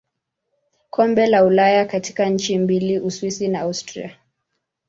Kombe la Ulaya katika nchi mbili Uswisi na Austria.